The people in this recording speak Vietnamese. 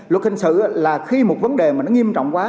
luật hình sự là khi một vấn đề mà nó nghiêm trọng quá